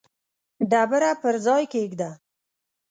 ډبره پر ځای کښېږده.